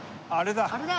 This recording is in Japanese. あれだ。